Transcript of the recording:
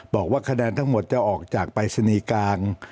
บอกว่าคะแนนทั้งหมดจะออกจากปรายศนีย์กลาง